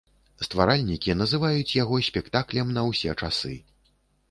Стваральнікі называюць яго спектаклем на ўсе часы.